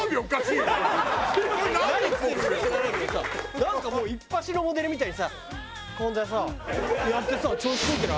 なんかもういっぱしのモデルみたいにさこんなさやってさ調子こいてない？